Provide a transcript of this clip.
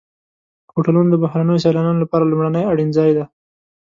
هوټلونه د بهرنیو سیلانیانو لپاره لومړنی اړین ځای دی.